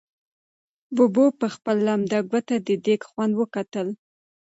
ببو په خپله لمده ګوته د دېګ خوند وکتل.